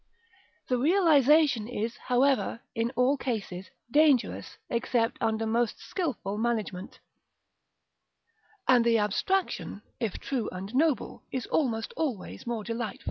The realisation is, however, in all cases, dangerous except under most skilful management, and the abstraction, if true and noble, is almost always more delightful.